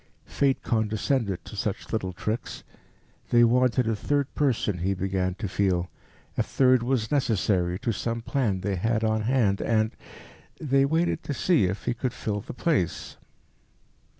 Fate condescended to such little tricks. They wanted a third person, he began to feel. A third was necessary to some plan they had on hand, and they waited to see if he could fill the place.